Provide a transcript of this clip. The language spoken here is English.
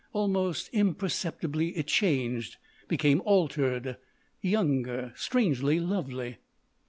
Almost imperceptibly it changed; became altered, younger, strangely lovely.